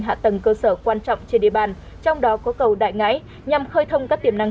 hạ tầng cơ sở quan trọng trên địa bàn trong đó có cầu đại ngãi nhằm khơi thông các tiềm năng